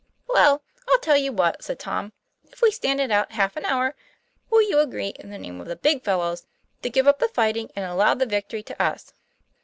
"Well, I'll tell you what," said Tom; "if we stand it out half an hour, will you agree in the name of the big fellows to give up the fighting, and allow the victory to us?"